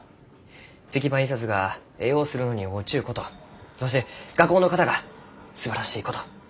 石版印刷が絵を刷るのに合うちゅうことそして画工の方がすばらしいことよう分かりました。